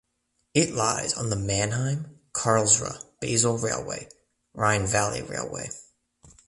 It lies on the Mannheim–Karlsruhe–Basel railway (Rhine Valley Railway).